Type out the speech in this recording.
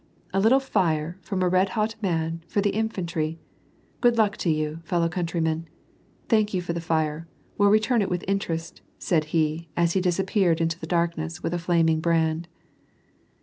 " A little fire, from a red hot man, for the infantry ! Good luck to you, fellow countrymen ! Thank you for the fire ; we'll return it with interest," said he, as he disappeared into the darkness, with a flaming brand.